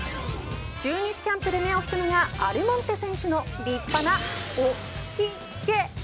中日キャンプで目を引くのがアルモンテ選手の立派なおひげ。